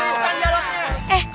wah positifan dialognya